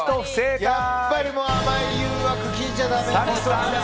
やっぱり、甘い誘惑聞いちゃダメだ！